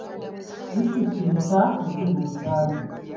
Disitulikiti mmeka eziri mu Uganda?